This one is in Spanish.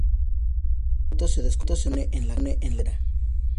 El auto se descompone en la carretera.